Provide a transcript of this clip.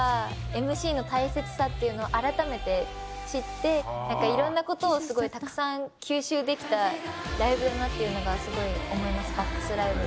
ＭＣの大切さっていうのを改めて知っていろんなことをすごいたくさん吸収できたライブだなっていうのがすごい思いますＢＡＣＫＳＬＩＶＥ！！